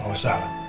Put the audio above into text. gak usah lah